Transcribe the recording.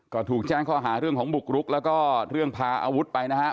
ก็ถูกแจ้งข้อหาเรื่องของบุกรุกแล้วก็เรื่องพาอาวุธไปนะฮะ